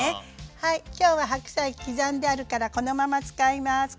はい今日は白菜刻んであるからこのまま使います。